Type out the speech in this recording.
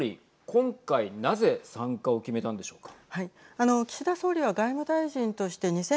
今回なぜ参加を決めたんでしょうか。